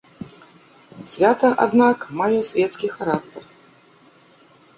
Свята, аднак, мае свецкі характар.